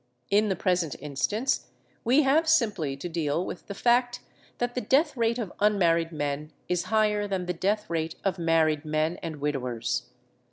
In the present instance, we have simply to deal with the fact that the death rate of unmarried men is higher than the death rate of married men and widowers.